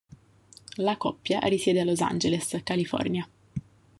La coppia risiede a Los Angeles, California.